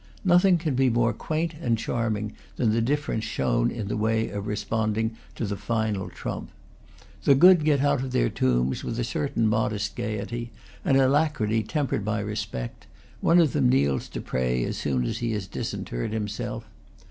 Nothing can be more quaint and charming than the difference shown in their way of responding to the final trump. The good get out of their tombs with a certain modest gayety, an alacrity tempered by respect; one of them kneels to pray as soon as he has disinterred himself.